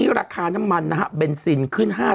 พี่โอ๊คบอกว่าเขินถ้าต้องเป็นเจ้าภาพเนี่ยไม่ไปร่วมงานคนอื่นอะได้